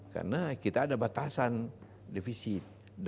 karena kita ada batasan defisit